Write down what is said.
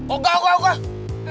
enggak enggak enggak